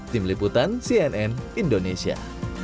tim liputan cnn indonesia